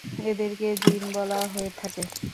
এদেরকে জিন বলা হয়ে থাকে।